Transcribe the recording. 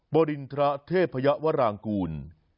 บรินทราเทพยะวรางกูล